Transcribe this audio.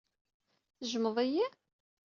Tejjmeḍ-iyi?